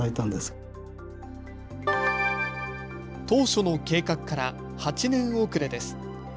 当初の計画から８年遅れです。